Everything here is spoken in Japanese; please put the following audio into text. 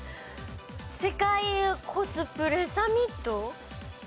世界コスプレサミット。